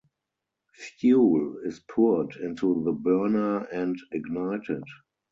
Fuel is poured into the burner and ignited.